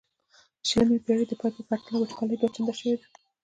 د شلمې پیړۍ د پای په پرتله وچکالي دوه چنده شوې ده.